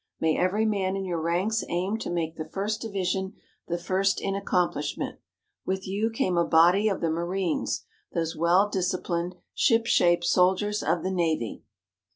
May every man in your ranks aim to make the First Division the first in accomplishment. With you came a body of the marines, those well disciplined, ship shape soldiers of the navy.